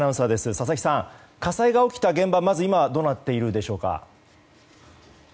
佐々木さん、火災が起きた現場はまず、今どうなっているでしょうか。